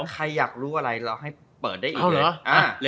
ใครอยากรู้อะไรเราให้เปิดได้อีกเลย